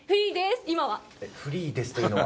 フリーですというのは？